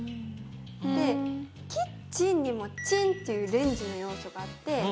で「キッチン」にも「チン」っていうレンジの要素があって。